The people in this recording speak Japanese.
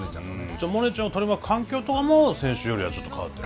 じゃあモネちゃんを取り巻く環境とかも先週よりはちょっと変わってる。